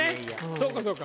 そうかそうか。